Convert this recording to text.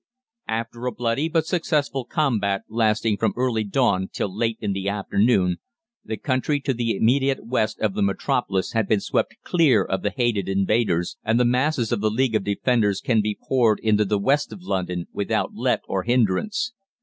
"After a bloody but successful combat lasting from early dawn till late in the afternoon, the country to the immediate west of the metropolis has been swept clear of the hated invaders, and the masses of the 'League of Defenders' can be poured into the West of London without let or hindrance.